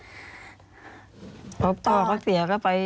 เพราะพ่อแม่ต้องไปทำงานกันเพราะฉะนั้นย่าเป็นคนเลี้ยงคนหลักเลยใช่ไหม